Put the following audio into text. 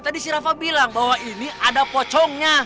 tadi si rafa bilang bahwa ini ada pocongnya